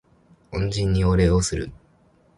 恩人にお礼をする